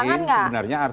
kalau ditemuin sebenarnya